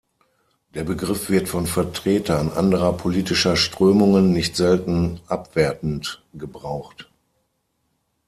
Der Begriff wird von Vertretern anderer politischer Strömungen nicht selten abwertend gebraucht.